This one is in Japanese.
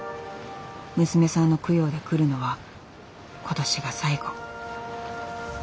娘さんの供養で来るのは今年が最後。